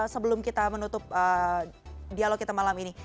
sebelum kita menutup dialog kita malam ini